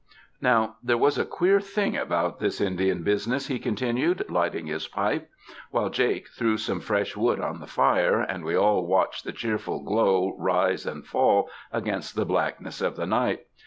''Now there was a queer thing about this Indian business," he continued, lighting his pipe, while Jake threw some fresh wood on the fire, and we all watched the cheerful glow rise and fall against the blackness of the night.